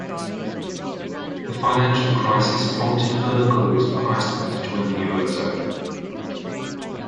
The financial crisis prompted further calls for Iceland to join the Eurozone.